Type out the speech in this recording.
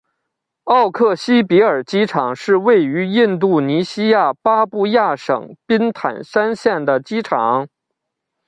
奥克西比尔机场是位于印度尼西亚巴布亚省宾坦山县的机场。